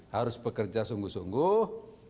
harus bekerja sungguh sungguh